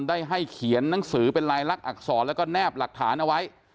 ได้ให้เขียนหนังสือเป็นลายลักษณอักษรแล้วก็แนบหลักฐานเอาไว้